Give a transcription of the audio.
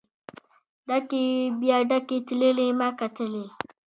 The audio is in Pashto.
ډکې وې بیا ډکې تللې ما کتلی.